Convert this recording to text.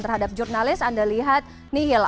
terhadap jurnalis anda lihat nihil